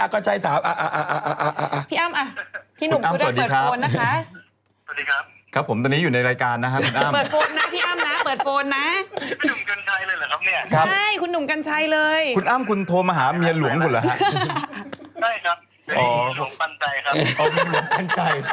คุณอ้ามคุณโทรมาหาเมียหลวงกูเหรอ